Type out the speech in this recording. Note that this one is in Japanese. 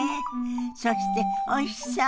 そしておいしそう！